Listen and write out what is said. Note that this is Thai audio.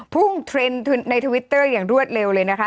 เทรนด์ในทวิตเตอร์อย่างรวดเร็วเลยนะคะ